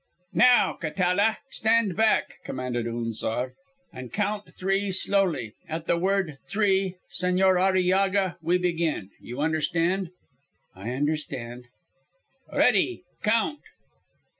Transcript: "Now, Catala, stand back," commanded Unzar, "and count three slowly. At the word 'three,' Señor Arillaga, we begin. You understand." "I understand." "Ready.... Count."